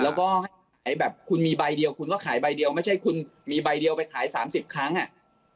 แล้วก็แบบคุณมีใบเดียวคุณก็ขายใบเดียวไม่ใช่คุณมีใบเดียวไปขาย๓๐ครั้งอ่ะ